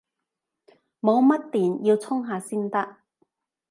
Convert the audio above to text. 冇乜電，要充下先得